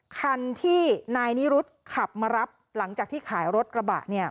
คันที่นายนิรุธขับมารับหลังจากที่ขายรถกระบะเนี่ย